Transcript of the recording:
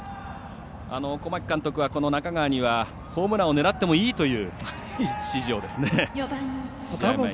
小牧監督は、中川にはホームランを狙ってもいいという指示を試合前に。